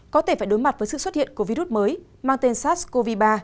có thể phải đối mặt với sự xuất hiện của virus mới mang tên sars cov hai